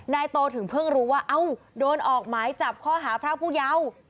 นายโตถึงเพิ่งรู้ว่าเอ้าโดนออกหมายจับข้อหาพระผู้เยาว์